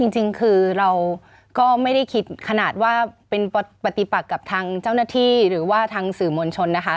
จริงคือเราก็ไม่ได้คิดขนาดว่าเป็นปฏิปักกับทางเจ้าหน้าที่หรือว่าทางสื่อมวลชนนะคะ